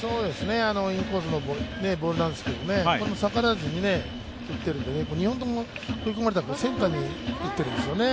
インコースのボールなんですけど、逆らわずに打ってるんで、２本とも、センターにいってるんですよね。